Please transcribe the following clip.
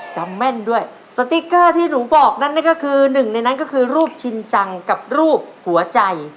จำแม่นด้วยสติ๊กเกอร์ที่หนูบอกนั่นนั่นก็คือหนึ่งในนั้นก็คือรูปชินจังกับรูปหัวใจ